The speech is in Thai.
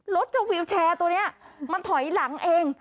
เจ้าวิวแชร์ตัวนี้มันถอยหลังเอง